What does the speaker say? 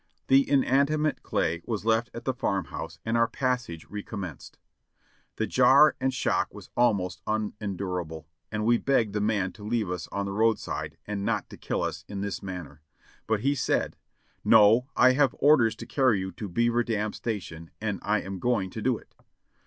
The inanimate clay was left at the farm house and our passage recommenced. The jar and shock was almost unendurable and we begged the man to leave us on the roadside and not to kill us OFF DUTY 559 in this manner; but he said, "No, I have orders to carry you to Beaver Dam Station and I am going to do it."